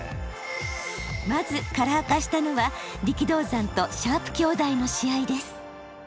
まずカラー化したのは力道山とシャープ兄弟の試合です。